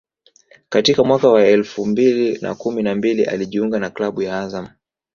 Katika mwaka wa elfu mbili na kumi na mbili alijiunga na klabu ya Azam